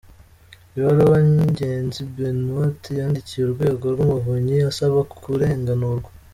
Ibaruwa Ngenzi Benoit yandikiye Urwego rw’Umuvunyi asaba kurenganurwa.